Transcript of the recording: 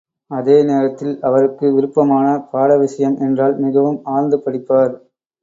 அதேநேரத்தில் அவருக்கு விருப்பமான பாடவிஷயம் என்றால் மிகவும் ஆழ்ந்து படிப்பார்!